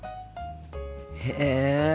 へえ。